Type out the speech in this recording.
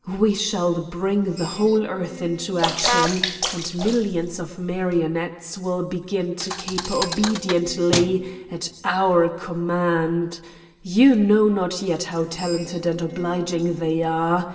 We shall bring the whole earth into action and millions of marion ettes will begin to caper obediently at our com mand: you know not yet how talented and oblig ing they are.